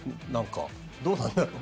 どうなんだろう。